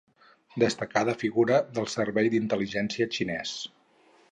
Destacada figura del Servei d'Intel·ligència xinès.